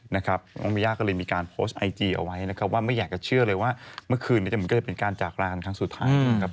มาย่าก็เลยมีการโพสต์ไอจีเอาไว้ว่าไม่อยากจะเชื่อเลยว่าเมื่อคืนมันก็เลยเป็นการจากลาคันครั้งสุดท้าย